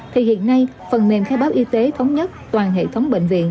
thì hiện nay phần mềm khai báo y tế thống nhất toàn hệ thống bệnh viện